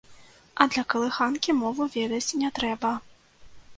А для калыханкі мову ведаць не трэба.